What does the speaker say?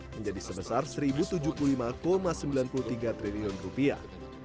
menjadi sebesar satu tujuh puluh lima sembilan puluh tiga triliun rupiah